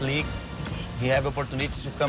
และก็ประกันกัน